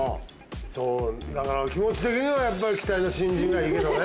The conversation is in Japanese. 気持ち的にはやっぱり期待の新人がいいけどね。